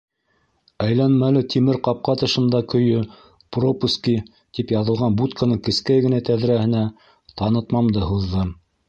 Әйләнмәле тимер ҡапҡа тышында көйө «Пропуски» тип яҙылған будканың кескәй генә тәҙрәһенә танытмамды һуҙҙым.